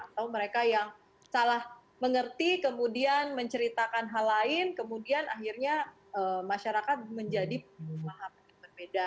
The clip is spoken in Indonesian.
atau mereka yang salah mengerti kemudian menceritakan hal lain kemudian akhirnya masyarakat menjadi pemahaman yang berbeda